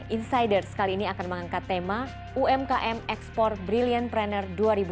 insiders kali ini akan mengangkat tema umkm ekspor brilliant pranner dua ribu dua puluh